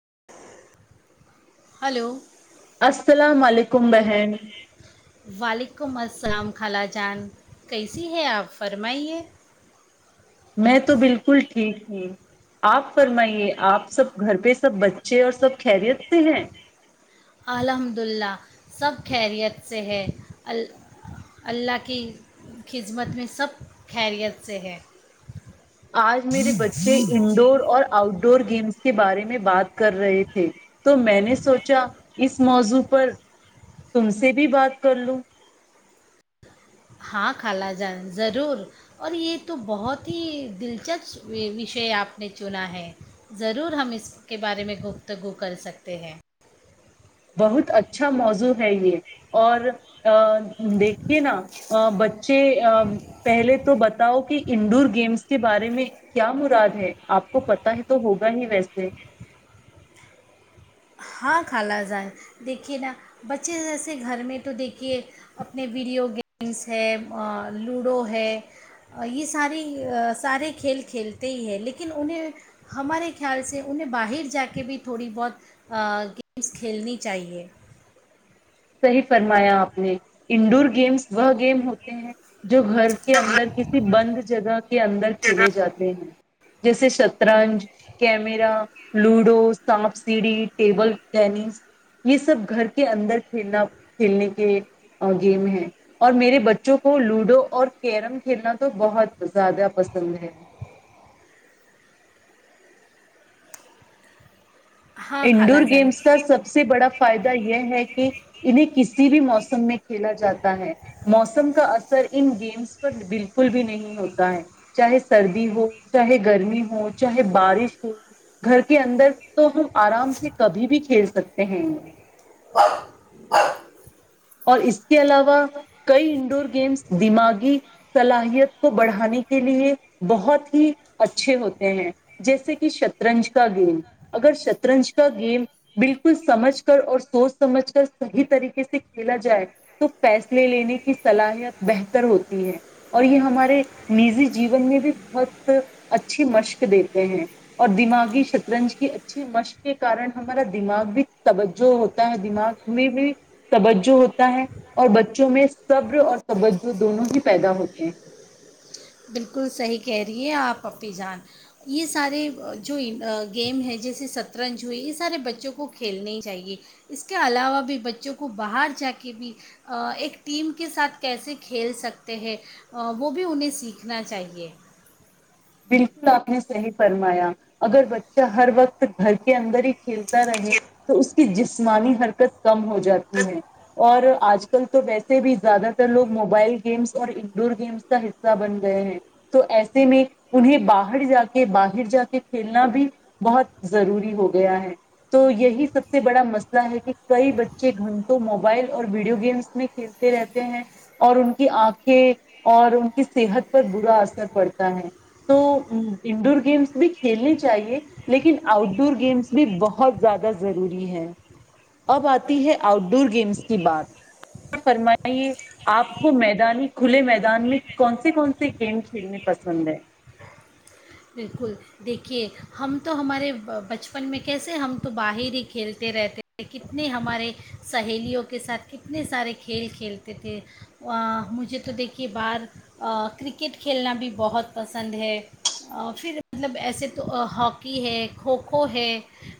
ج [inaudible] ہلو السلام علیکم بہن حکمت السلام خالا جان کیسی ہے آپ فرمائیے میں تو بالکل ٹھیک ہوں آپ فرمائیے آپ سب گھر پہ سب بچے اور سب خیریت سے ہیں الحمد للہ سب خیریت سے ہے ال اللہ کی خدمت میں سب خیریت سے ہے آج میرے بچے انڈور اور آؤٹ ڈور ڈور گیمس کے بارے میں بات کر رہے تھے تو میں نے سوچا اس موضوع پر تم سے بھی بات کر لوں ہاں خالہ جان ضرور اور یہ تو بہت ہی دلچسپ وشے آپ نے چنا ہے ضرور ہم اس کے بارے میں گفتگو کر سکتے ہیں بہت اچھا موضوع ہے یہ اور ا دیکھیے نا بچے ا پہلے تو بتاؤ کہ انڈور گیمس کے بارے میں کیا مراد ہے آپ کو پتا ہی تو ہوگا ہی ویسے ہاں کھا جائے دیکھیے نا بچے جیسے گھر میں تو دیکھ کہ اپنے ویڈیو گیمس ہے لوڈو ہے یہ ساری سارے کھیل کھیلتے ہی ہیں لیکن انہیں ہمارے خیال سے انہیں باہر جا کے بھی تھوڑی بہت گیمس کھیلنی چاہیے صحیح فرمایا آپ نے انڈور گیمس وہ گیم ہوتے ہیں جو گھر کے اندر کسی بند جگہ کے اندر کھیلے جاتے ہیں جیسے شطرنج کیمرا لوڈو سانپ سیڑھی ٹیبل ٹینس یہ سب گھر کے اندر کھیلنا کھیلنے کے گیم ہیں اور میرے بچوں کو لوڈو اور کیرم کھیلنا تو بہت زیادہ پسند ہے ہاں انڈور خالہ جان گیمس کا سب سے بڑا فائدہ یہ یہ ہے کہ انہیں کسی بھی موسم میں کھیلا جاتا ہے موسم کا اثر ان گیمس پر بالکل بھی نہیں ہوتا ہے چاہے سردی ہو چاہے گرمی ہو چاہے بارش ہو گھر کے اندر تو ہم آرام سے کبھی بھی کھیل سکتے ہیں ہاں اور اس کے علاوہ کئی انڈور گیمس دماغی صلاحیت کو بڑھانے کے لیے بہت ہی اچھے ہوتے ہیں جیسے کہ شطرنج کا گیم اگر شطرنج کا گیم بالکل سمجھ کر اور سوچ سمجھ کر صحیح طریقے سے کھیلا جائے تو فیصلے لینے کی صلاحیت بہتر ہوتی ہے اور یہ ہمارے نجی جیون میں بھی بہت اچھی مشق دیتے ہیں اور دماغی شطرنج کی اچھی مشق کے کارن ہمارا دماغ بھی توجہ ہوتا ہے دماغ میں بھی توجہ ہوتا ہے اور بچوں میں صبر اور توجہ دونوں ہی پیدا ہوتے ہیں بالکل صحیح کہہ رہی ہے آپ اپنی جان یہ سارے جو گیم ہیں جیسے سطرنج ہے یہ سارے بچوں کو کھیلنے ہی چاہیے اس کے علاوہ بھی بچوں کو باہر جا کے بھی ایک ٹیم کے ساتھ کیسے کھیل سکتے ہیں وہ بھی انہیں سیکھ سیککھنا چاہیے بالکل آپ نے صحیح فرمایا اگر بچہ ہر وقت گھر کے اندر ہی کھیلتا رہے تو اس کی جسمانی حرکت کم ہو جاتی ہے اور آج کل تو ویسے بھی زیادہ تر لوگ موبائل گیمس اور انڈور گیمس کا حصہ بن گئے ہیں تو ایسے میں انہیں باہر جا کے باہر جا کے کھیلنا بھی بہت ضروری ہو گیا ہے تو یہی سب سے بڑا مسئلہ ہے کہ کئی بچے گھنٹوں موبائل اور ویڈیو گیمس میں کھیلتے رہتے ہیں اور ان کی آنکھیں اور ان کی صحت پر برا اثر پڑتا ہے تو انڈور گیمس بھی کھیلنے چاہیے لیکن آؤٹ ڈور گیمس بھی بہت زیادہ ضروری ہے اب آتی ہے آؤٹ ڈور گیمس کی بات فرمائیے آپ کو میدانی کھلے میدان میں کون سے کون سے گیم کھیلنے پسند ہیں بالکل دیکھیے ہم تو ہمارے بچپن میں کیسے ہم تو باہر ہی کھیلتے رہتے کتنے ہمارے سہیلیوں کے ساتھ کتنے سارے کھیل کھیلتے تھے مجھے تو دیکھیے بار کرک کرکٹ کھیلنا بھی بہت پسند ہے پھر مطلب ایسے تو ہاکی ہے کھوکھو ہے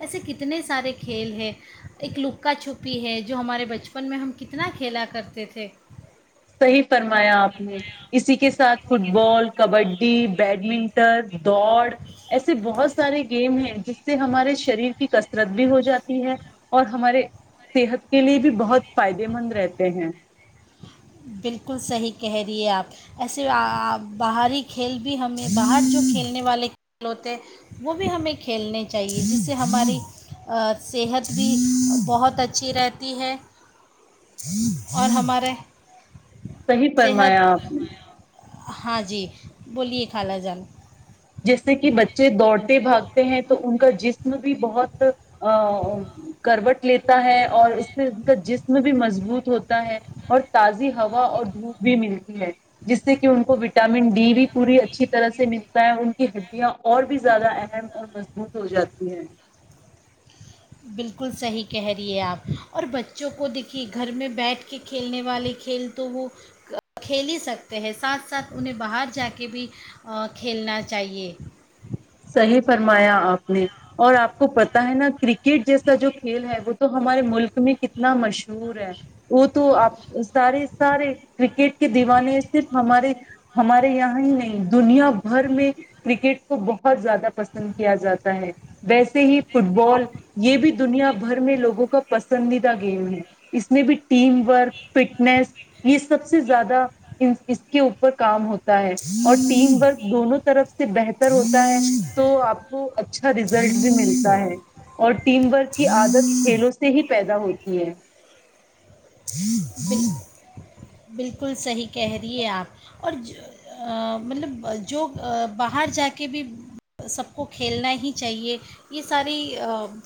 ایسے کتنے سارے کھیل ہے ایک لکا چھپی ہے جو ہمارے بچپن میں ہم کتنا کھیلا کرتے تھے صحیح فرمایا آپ نے اسی کے ساتھ فٹ بال کبڈی بیڈمنٹن دوڑ ایسے بہت سارے گیم ہیں جس سے ہمارے شریر کی کثرت بھی ہو جاتی ہے اور ہمارے صحت کے لیے بھی بہت فائدے مند رہتے ہیں بالکل صحیح کہہ رہیے آپ ایسے باہری کھیل بھی ہمیں باہر جو کھیلنے والے کھیل ہوتے ہیں وہ بھی ہمیں کھیلنے چاہیے جس سے ہماری صحت بھی بہت اچھی رہتی ہے اور ہمارے صحیح صحت فرمایا آپ نے ہاں جی بولیے خالا جان جیسے کہ بچے دوڑتے بھاگتے ہیں تو ان کا جس ج بھی بہت ا کروٹ لیتا ہے اور اس سے ان کا جسم بھی مضبوط ہوتا ہے اور تازی ہوا اور دھوپ بھی ملتی ہے جس سے کہ ان کو وٹامن ڈی بھی پوری اچھی طرح سے مل ہوتا ان کی ہڈیاں اور بھی زیادہ اہم اور مضبوط ہو جاتی ہیں بالکل صحیح کہہ رہی ہے آپ اور بچوں کو دیکھیے گھر میں بیٹھ کے کھیلنے والے کھیل تو وہ کھیل ہی سکتے ہیں ساتھ ساتھ انہیں باہر جا کے بھی کھیلنا چاہیے صحیح فرمایا آپ نے اور آپ کو پتا ہے نا کرکٹ جیسا جو کھیل ہے وہ تو ہمارے ملک میں کتنا مشہور ہے وہ تو آپ سارے سارے کرکٹ کے دیوانے صرف ہمارے ہمارے یہاں ہی نہیں دنیا بھر میں کرکٹ کو ب زیادہ پسند کیا جاتا ہے ویسے ہی فٹ بال یہ بھی دنیا بھر میں لوگوں کا پسندیدہ گیم ہے اس میں بھی ٹیم ورک فٹنیس یہ سب سے زیادہ اس کے اوپر کام ہوتا ہے اور ٹیم ورک دونوں طرف [unintelligible] سے بہتر ہوتا ہے تو آپ کو اچھا اچھا ریزلٹ بھی ملتا ہے اور ٹیم ورک کی عادت کھیلوں سے ہی پیدا ہوتی ہے بالکل صحیح کہہ رہیے آپ اور مطلب جو باہر جا کے بھی سب کو کھیلنا ہی چاہیے یہ ساری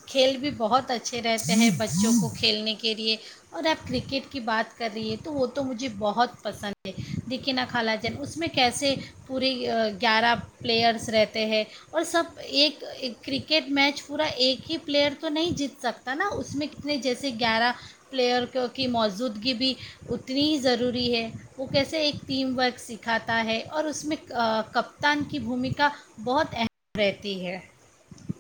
کھیل بھی بہت اچھے رہتے ہیں بچوں کو کھیلنے کے لیے اور آپ کرکٹ کی بات کر رہی ہیں تو وہ تو مجھے بہت پسند ہے دیکینا خالجین اس میں کیسے پورے گیارہ پلیئرس رہتے ہیں اور سب ایک کرکٹ میچ پورا ایک ہی پلیئر تو نہیں جیت سکتا نا اس میں کتنے جیسے گیارہ پلیئر کو کی موجودگی بھی کتنی ضروری ہے وہ کیسے ایک ٹیم ورک سکھاتا ہے اور اس میں کپتان کی بھومیکا بہت اہم رہتی ہے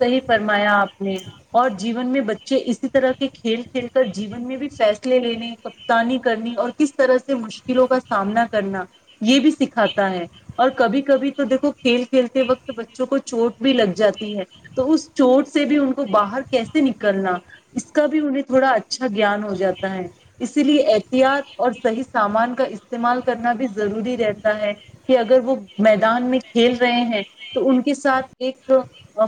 صحیح فرمایا آپ نے اور جیون میں بچ ج اسی طرح کھیل کھیل کر جیون میں بھی فیصلہ لینے کپتانی کرنی اور کس طرح سے مشکلوں کا سامنا کرنا یہ بھی سکھاتا ہے اور کبھی کبھی تو دیکھو کھیل کھیلتے وقت بچوں کو چوٹ بھی لگ جاتی ہے تو اس چوٹ سے بھی ان کو باہر کیسے نکلنا اس کا بھی انہیں تھوڑا اچھا گیان ہو جاتا ہے اسی لیے احتیاط اور صحیح سامان کا استعمال کرنا بھی ضروری رہتا ہے کہ اگر وہ میدان میں کھیل رہے ہیں تو ان کے ساتھ ایک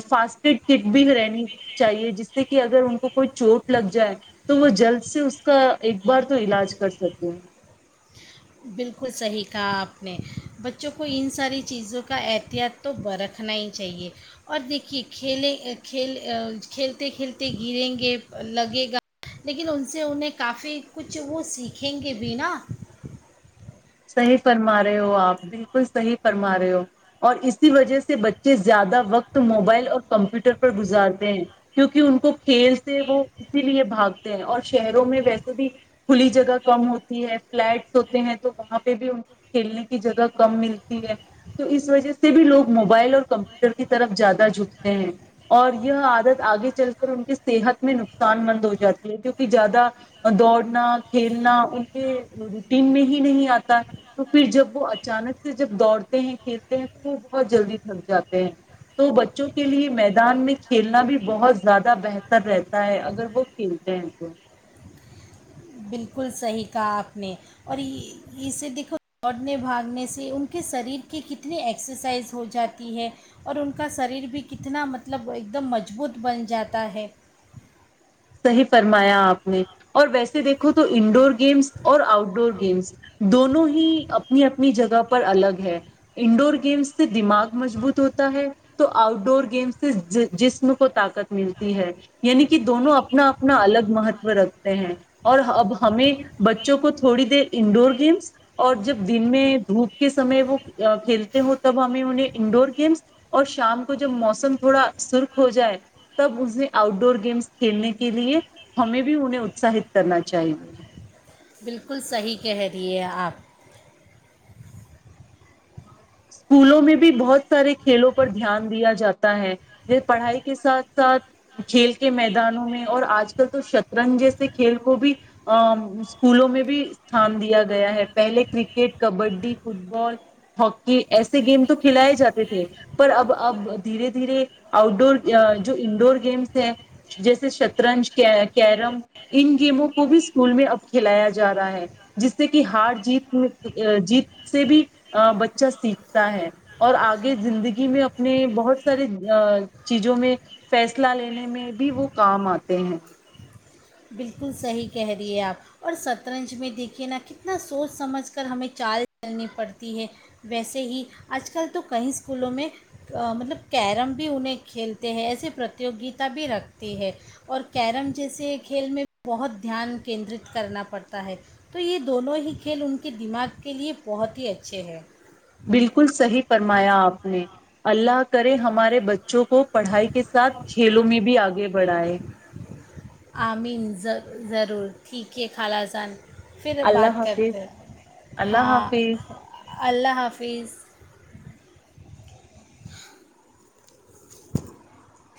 فاسٹ فڈ کٹ بھی رہنی چاہیے جس سے کہ اگر ان کو کوئی چوٹ لگ جائے تو وہ جلد سے اس کا ایک بار تو علاج کر سکے ہیں بالکل صحیح کہا آپ نے بچوں کو ان ساری چیزوں کا احتیاط تو ب رکھنا ہی چاہیے اور دیکھیے کھیلیں کھیل کھیلتے کھیلتے گریں گے لگے گا لیکن ان سے انہیں کافی کچھ وہ سیکھیں گے بھینا [inaudible] بھی ان کو کھیلنے کی جگہ کم ملتی ہے تو اس وجہ سے بھی لوگ موبائل اور کمپیوٹر کی طرف زیادہ جھکتے ہیں اور یہ عادت آگے چل کر ان کے صحت میں نقصان مند ہو جاتی ہے کیونکہ زیادہ دوڑنا کھیلنا ان کے روٹین میں ہی نہیں آ تا تو پھر جب وہ اچانک سے جب دوڑتے ہیں کھیلتے ہیں تو وہ بہت جلدی تھک جاتے ہیں تو بچوں کے لیے میدان میں کھیلنا بھی بہت زیادہ بہتر رہتا ہے اگر وہ کھیلتے ہیں تو بالکل صحیح کہا آپ نے اور اسے دیکھو دوڑنے بھاگنے سے ان کے شریر کی کتنی ایکسرسائز ہو جاتی ہے اور ان کا شریر بھی کتنا مطلب ایک دم مضبوط بن جاتا ہے صحیح فرمایا آپ نے اور ویسے دیکھو تو انڈور گیمس اور آؤٹ ڈور گ دونوں ہی اپنی اپنی جگہ پر الگ ہے انڈور گیمس سے دماغ مضبوط ہوتا ہے تو آؤٹ ڈور گیمس سے جسم کو طاقت ملتی ہے یعنی کہ دونوں اپنا اپنا الگ مہتو رکھتے ہیں اور اب ہمیں بچوں کو تھوڑی دیر انڈور گیمس اور جب دن میں دھوپ کے سمے وہ کھیلتے ہوں تب ہمیں انہیں انڈور گیمس اور شام کو جب موسم تھوڑا سرخ ہو جائے تب اسے آؤٹ ڈور گیمس کھیلنے کے لیے ہمیں بھی انہیں اتساہت کرنا چاہیے بالکل صحیح کہہ دیے آپ اسکولوں میں بھی بہت سارے کھیلوں پر دھیان دیا جاتا ہے پڑھائی کے ساتھ ساتھ کھیل کے میدانوں میں اور آج کل تو شطرنج جیسے کھیل کو بھی اسکولوں میں بھی استھان دیا گیا ہے پہلے کرکٹ کبڈی فٹ بال ہی کہ ایسے گیم تو کھلائے جاتے تھے پر اب اب دھیرے دھیرے آؤٹ ڈور جو انڈور گیمس ہیں جیسے شطرنج کیرم ان گیموں کو بھی اسکول میں اب کھلایا جا رہا ہے جس سے کہ ہار جیت میں جیت سے بھی بچہ سیکھتا ہے اور آگے زندگی میں اپنے بہت سارے چیزوں میں فیصلہ لینے میں بھی وہ کام آتے ہیں بالکل صحیح کہہ رہی ہیں آپ اور شطرنج میں دیکھیے نا کتنا سوچ سمجھ کر ہمیں چال چلنی پڑتی ہے ویسے ہی آج کل تو کیں اسکولوں میں مطلب کیرم بھی انہیں کھیلتے ہیں ایسے پرتوگتا بھی رکھتے ہے اور کیرم جیسے کھیل میں بہت دھیان کیندرت کرنا پڑتا ہے تو یہ دونوں ہی کھیل ان کے دماغ کے لیے بہت ہی اچھے ہیں بالکل صحیح فرمایا آپ نے اللہ کرے ہمارے بچوں کو پڑھائی کے ساتھ کھیلوں میں بھی آگے بڑھا ہے آمین ضرور ٹھیک ہے خالہ جان پھر اللہ بات حافظ کرتے ہیں۔ اللہ ہاں حافظ اللہ حافظ [inaudible]